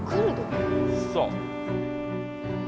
そう。